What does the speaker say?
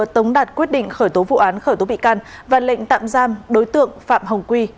tống đạt quyết định khởi tố vụ án khởi tố bị can và lệnh tạm giam đối tượng phạm hồng quy